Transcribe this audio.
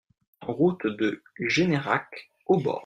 Route de Générac, Aubord